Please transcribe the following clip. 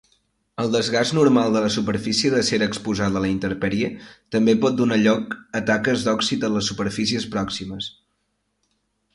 El desgast normal de la superfície d'acer exposada a la intempèrie també pot donar lloc a taques d'òxid en les superfícies pròximes.